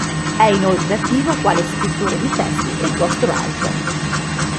È inoltre attivo quale scrittore di testi e Ghostwriter.